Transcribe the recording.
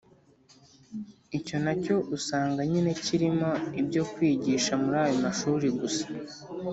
Icyo na cyo usanga nyine kirimo ibyo kwigisha muri ayo mashuri gusa.